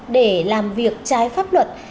để làm việc trái pháp luật